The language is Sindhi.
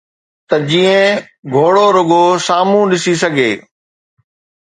ته جيئن گهوڙو رڳو سامهون ڏسي سگهي.